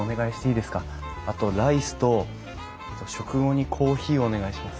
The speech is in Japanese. あとライスと食後にコーヒーお願いします。